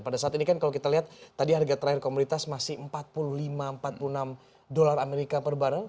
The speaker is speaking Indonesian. pada saat ini kan kalau kita lihat tadi harga terakhir komoditas masih empat puluh lima empat puluh enam dolar amerika per barrel